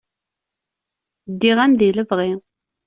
Ddiɣ-am di lebɣi.